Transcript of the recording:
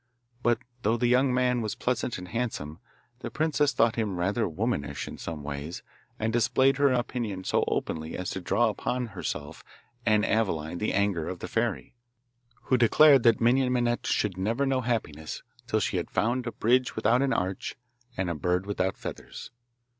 But though the young man was pleasant and handsome, the princess thought him rather womanish in some ways, and displayed her opinion so openly as to draw upon herself and Aveline the anger of the fairy, who declared that Minon Minette should never know happiness till she had found a bridge without an arch and a bird without feathers.